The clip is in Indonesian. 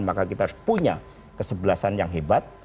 maka kita harus punya kesebelasan yang hebat